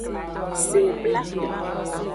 Sebla.